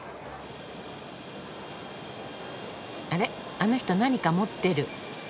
あの人何か持ってる。